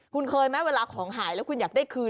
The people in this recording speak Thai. คุณเคยไหมเวลาของหายแล้วคุณอยากได้คืน